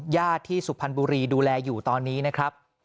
ญาติที่สุพรรณบุรีดูแลอยู่ตอนนี้นะครับ